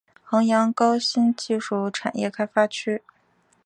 衡阳高新技术产业开发区